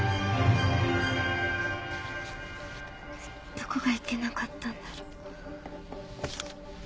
どこがいけなかったんだろ。